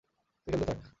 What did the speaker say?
তুই খেলতে থাক।